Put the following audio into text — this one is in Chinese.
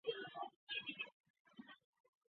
但事情远未结束。